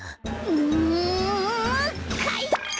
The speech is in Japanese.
うんかいか！